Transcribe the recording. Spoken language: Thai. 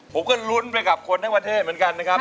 ผมก็ลุ้นไปกับคนทั้งประเทศเหมือนกันนะครับ